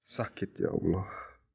sakit ya allah